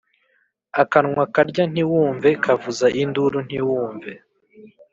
Akanwa karya ntiwumve kavuza induru ntiwumve